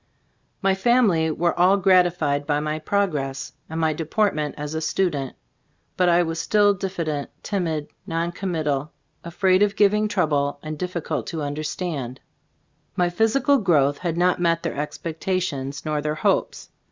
My family were all gratified by my progress and my deportment as a student, but I was still diffident, timid, non committal, afraid of giving ioo ttbe Stotf of Ag Cbf tt>boofc trouble and difficult to understand. My physical growth had not met their expectations nor their hopes.